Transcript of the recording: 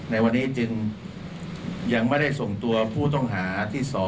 ในวันนี้จึงยังไม่ได้ส่งตัวผู้ต้องหาที่๒